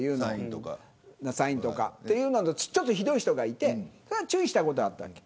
サインとかっていうののちょっとひどい人がいて注意したことはあったわけ。